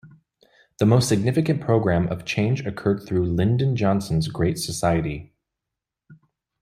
The most significant program of change occurred through Lyndon Johnson's Great Society.